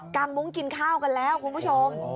งมุ้งกินข้าวกันแล้วคุณผู้ชม